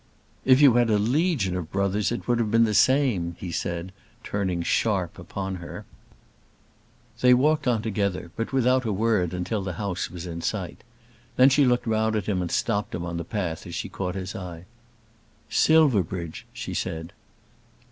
"If you had a legion of brothers it would have been the same," he said, turning sharp upon her. They walked on together, but without a word till the house was in sight. Then she looked round at him, and stopped him on the path as she caught his eye. "Silverbridge!" she said.